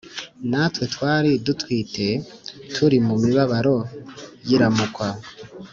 Natwe twari dutwite, turi mu mibabaro y’iramukwa,